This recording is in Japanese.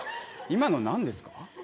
今の何ですか？